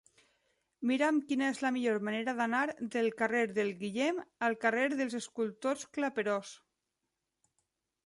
Mira'm quina és la millor manera d'anar del carrer de Guillem al carrer dels Escultors Claperós.